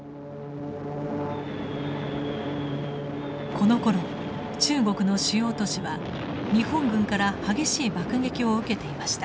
このころ中国の主要都市は日本軍から激しい爆撃を受けていました。